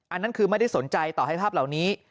อันนั้นคือไม่ได้สนใจต่อให้ภาพเหล่านี้